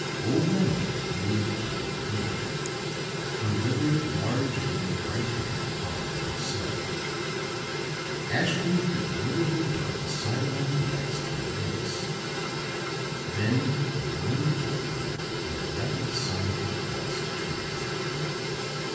Old Nanon moved toward the door. Her withered, large veined right hand hung at her side; Ashton Kirk noted her dart a sidelong glance toward Morse; then the bony forefinger made a rapid sign of the cross between them.